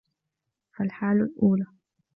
فَالْحَالُ الْأُولَى